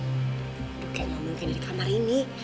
bukannya mungkin dari kamar ini